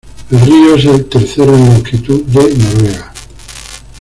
El río es el tercero en longitud de Noruega.